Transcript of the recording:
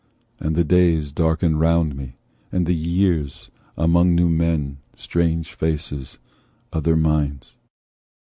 And the days darken round me, and the years, Among new men, strange faces, other minds."